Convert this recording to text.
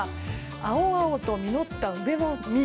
青々と実った梅の実。